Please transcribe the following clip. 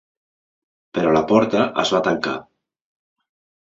Però la porta es va tancar.